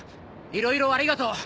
いろいろありがとう。